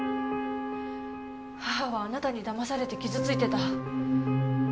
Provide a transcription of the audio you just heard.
母はあなたに騙されて傷ついてた。